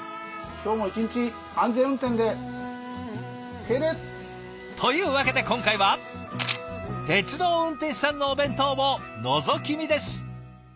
今日も一日安全運転で敬礼！というわけで今回は鉄道運転士さんのお弁当をのぞき見です。